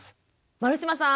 丸島さん